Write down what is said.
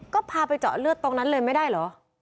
ก็พาไปเจาะเลือดตรงนั้นเลยไม่ได้เหรอ